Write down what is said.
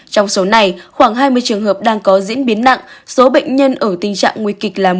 trong số này khoảng hai mươi trường hợp đang có diễn biến nặng số bệnh nhân ở tình trạng nguy kịch là một